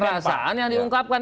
perasaan yang diungkapkan